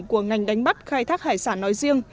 của ngành đánh bắt khai thác hải sản nói riêng